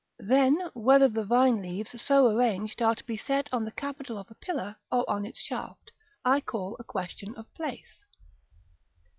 Then, whether the vine leaves so arranged are to be set on the capital of a pillar or on its shaft, I call a question of place.